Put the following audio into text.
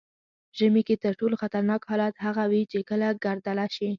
ژمي کې تر ټولو خطرناک حالت هغه وي چې کله ګردله شي.